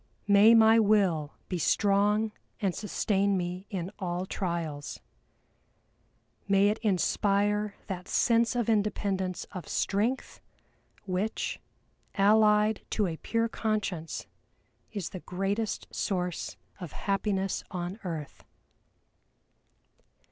May my will be strong and sustain me in all trials. May it inspire that sense of independence of strength which, allied to a pure conscience, is the greatest source of happiness on earth!"